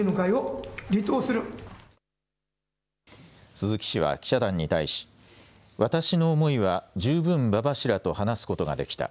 鈴木氏は記者団に対し私の思いは十分馬場氏らと話すことができた。